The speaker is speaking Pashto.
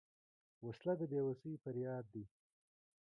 وسله د بېوسۍ فریاد دی